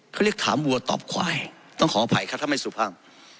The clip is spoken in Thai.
เขาเรียกถามวัวตอบควายต้องขออภัยครับถ้าไม่สุภาพ